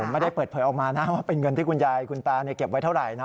ไม่ได้เปิดเผยออกมานะว่าเป็นเงินที่คุณยายคุณตาเก็บไว้เท่าไหร่นะ